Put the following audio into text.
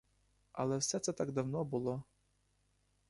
Але все це так давно було!